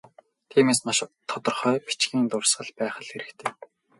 Тиймээс, маш тодорхой бичгийн дурсгал байх л хэрэгтэй.